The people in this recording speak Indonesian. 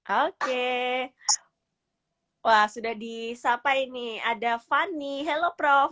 oke sudah disapai nih ada fanny hello prof